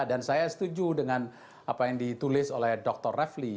dan saya setuju dengan apa yang ditulis oleh dr refli